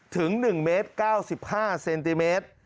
ถึง๑เมตร๙๕เซนติเมตร